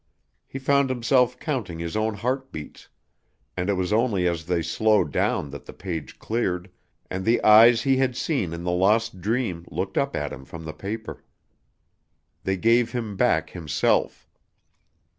He found himself counting his own heart beats, and it was only as they slowed down that the page cleared, and the eyes he had seen in the lost dream looked up at him from the paper. They gave him back himself.